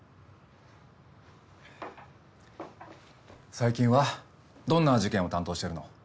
最近はどんな事件を担当してるの？